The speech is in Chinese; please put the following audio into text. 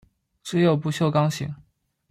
只有不锈钢型。